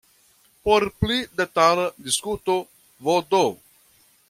Por pli detala diskuto vd.